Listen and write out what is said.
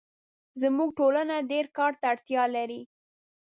زموږ ټولنه ډېرکار ته اړتیا لري